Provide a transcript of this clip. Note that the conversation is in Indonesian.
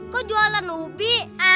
kok jualan ubi